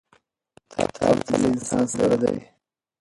کتاب تل له انسان سره دی.